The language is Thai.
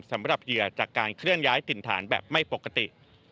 เหยื่อจากการเคลื่อนย้ายถิ่นฐานแบบไม่ปกติ